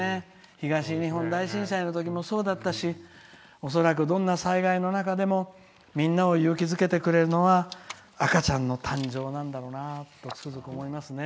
東日本大震災のときもそうだったし恐らく、どんな災害の中でもみんなを勇気づけてくれるのは赤ちゃんの誕生なんだろうなとつくづく思いますね。